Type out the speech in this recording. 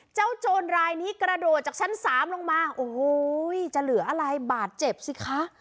โจรรายนี้กระโดดจากชั้น๓ลงมาโอ้โหจะเหลืออะไรบาดเจ็บสิคะ